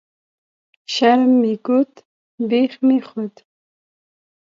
شرم مې کوت ، بيخ مې خوت